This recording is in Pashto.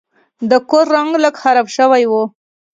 د کور رنګ لږ خراب شوی و.